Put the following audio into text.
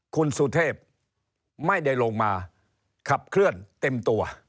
คุณสุเทพไม่ได้ลงมาขับเคลื่อนเต็มตัว